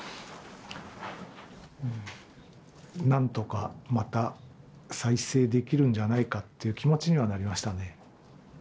なんとかまた再生できるんじゃないかっていう気持ちにはなりましたね。